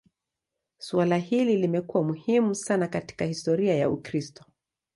Suala hili limekuwa muhimu sana katika historia ya Ukristo.